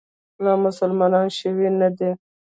لا مسلمان شوی نه دی.